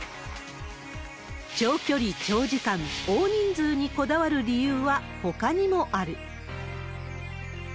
長距離、長時間、大人数にこだわる理由はほかにもある。